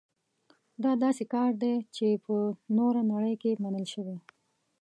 دا داسې کار دی چې په نوره نړۍ کې منل شوی.